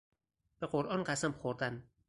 به قرآن قسم خوردن